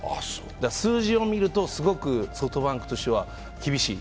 数字を見ると、すごくソフトバンクとしては厳しい。